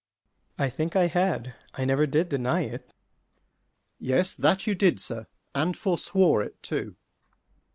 S._ I think I had; I never did deny it. Sec. Mer. Yes, that you did, sir, and forswore it too.